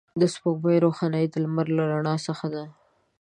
د سپوږمۍ روښنایي د لمر له رڼا څخه ده